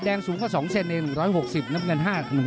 สูงกว่า๒เซนเอง๑๖๐น้ำเงิน๕๑